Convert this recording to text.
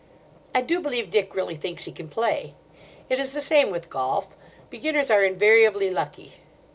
I do believe Dick really thinks he can play. It is the same with golf. Beginners are invariably lucky.